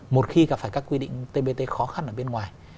một khi gặp phải các quy định tbt khó khăn ở bên ngoài